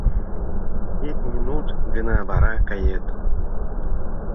— Ик минут гына, вара кает...